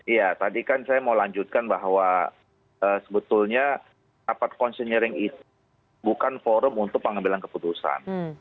iya tadi kan saya mau lanjutkan bahwa sebetulnya rapat konsinyering itu bukan forum untuk pengambilan keputusan